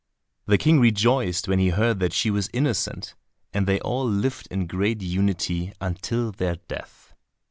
The King rejoiced when he heard that she was innocent, and they all lived in great unity until their death.